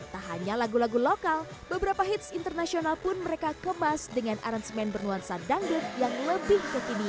tak hanya lagu lagu lokal beberapa hits internasional pun mereka kemas dengan aransemen bernuansa dangdut yang lebih kekinian